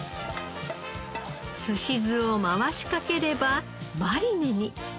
すし酢を回しかければマリネに。